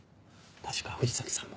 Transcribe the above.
確か藤崎さんも。